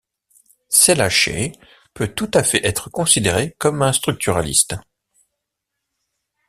Seilacher peut tout à fait être considéré comme un structuraliste.